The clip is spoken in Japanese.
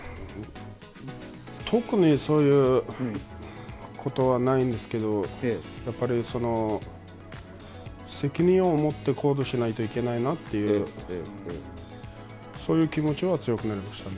特にそういうことはないんですけど責任をもって行動しないといけないなというそういう気持ちは強くなりましたね。